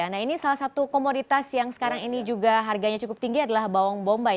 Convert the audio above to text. nah ini salah satu komoditas yang sekarang ini juga harganya cukup tinggi adalah bawang bombay